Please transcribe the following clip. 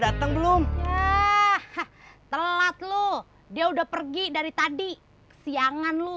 dateng belum telat lu dia udah pergi dari tadi siangan lu